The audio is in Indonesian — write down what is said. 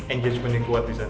enggejmennya kuat bisa